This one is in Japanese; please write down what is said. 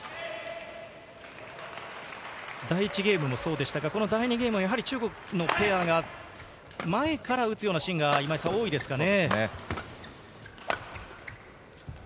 第１ゲームもそうでしたが、第２ゲームも中国のペアが前から打つようなシーンが多いですかね。